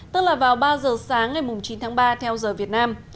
tức là vào ba giờ sáng ngày chín tháng ba theo giờ việt nam